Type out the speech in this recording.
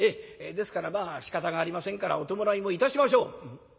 「ですからまあしかたがありませんからお葬式もいたしましょう」。